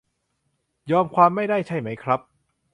ยอมความไม่ได้ใช่ไหมครับ